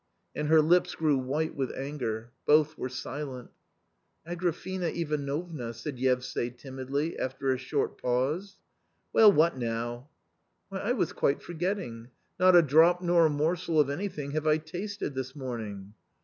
And her lips grew white with anger. Both were silent. " Agrafena Ivanovna," said Yevsay timidly, after a short pause. " Well, what now ?"" Why, I was quite forgetting ; not a drop nor a morsel of anything have I tasted this morning."